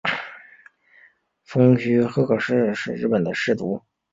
蜂须贺氏是日本的氏族。